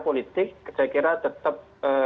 politik saya kira tetap